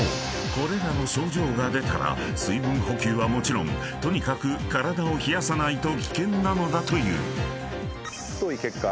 これらの症状が出たら水分補給はもちろんとにかく体を冷やさないと危険なのだという］